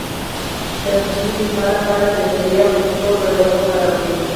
د ماشوم د اسهال لپاره د کیلې او مستو ګډول وکاروئ